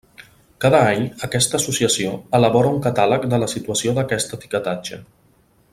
Cada any aquesta associació elabora un catàleg de la situació d'aquest etiquetatge.